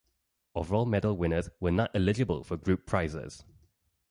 Overall medal winners were not eligible for group prizes.